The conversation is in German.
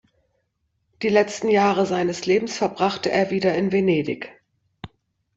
Die letzten Jahre seines Lebens verbrachte er wieder in Venedig.